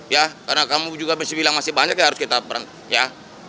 ya karena kamu juga mesti bilang masih banyak ya harus kita berhenti ya